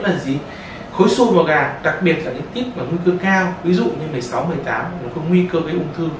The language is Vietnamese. là gì khối xùi vào gà đặc biệt là những tít và nguy cơ cao ví dụ như một mươi sáu một mươi tám nó có nguy cơ gây ung thư